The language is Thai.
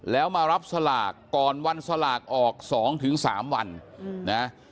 แล้วมารับสลากก่อนวันสลากออกสองถึงสามวันนะฮะ